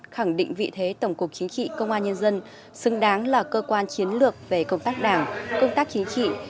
khẳng định vị thế tổng cục chính trị công an nhân dân xứng đáng là cơ quan chiến lược về công tác đảng công tác chính trị